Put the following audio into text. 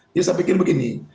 jadi saya pikir begini